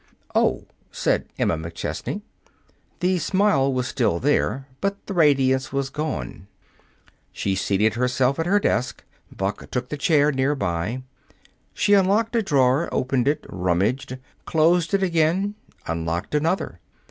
"Oh," said Emma McChesney. The smile was still there, but the radiance was gone. She seated herself at her desk. Buck took the chair near by. She unlocked a drawer, opened it, rummaged, closed it again, unlocked another.